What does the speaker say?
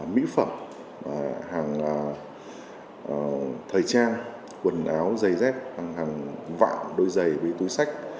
mỹ phẩm hàng thời trang quần áo giày dép hàng vạng đôi giày túi sách